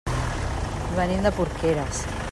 Venim de Porqueres.